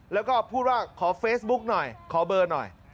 แล้วก็พูดว่าขอเฟซบุ๊กหน่อยขอเบอร์หน่อย